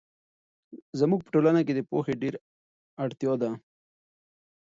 زموږ په ټولنه کې د پوهې ډېر اړتیا ده.